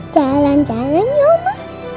jalan jalan ya oma